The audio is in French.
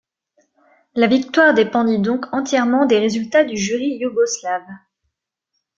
La victoire dépendit donc entièrement des résultats du jury yougoslave.